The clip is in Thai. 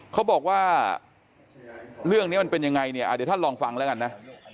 เขาบอกว่าเรื่องนี้มันเป็นยังไงเนี่ยเดี๋ยวท่านลองฟังแล้วกันนะ